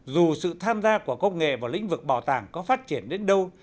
dù sự tham gia của công nghệ vào lĩnh vực bảo tàng có phát triển đến đâu